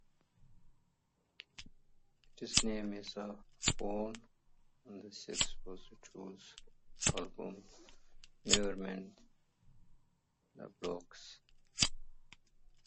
Its name is a pun on the Sex Pistols album "Never Mind the Bollocks".